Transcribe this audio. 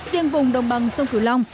riêng vùng đồng bằng sông cửu long